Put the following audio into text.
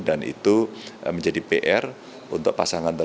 dan itu menjadi pr untuk pasangan tersebut